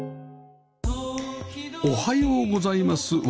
おはようございます。